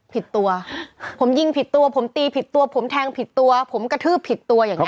ผิดตัวผมยิงผิดตัวผมตีผิดตัวผมแทงผิดตัวผมกระทืบผิดตัวอย่างนี้